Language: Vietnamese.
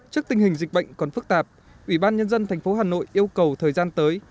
trước tình hình dịch bệnh còn phức tạp ubnd tp hà nội yêu cầu thời gian tới